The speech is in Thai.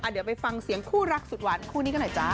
เดี๋ยวไปฟังเสียงคู่รักสุดหวานคู่นี้กันหน่อยจ้า